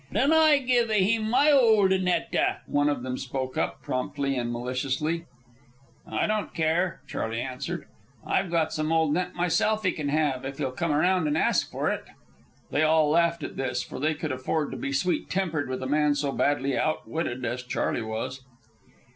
"Den I give a heem my old a net a," one of them spoke up, promptly and maliciously. "I don't care," Charley answered. "I've got some old net myself he can have if he'll come around and ask for it." They all laughed at this, for they could afford to be sweet tempered with a man so badly outwitted as Charley was.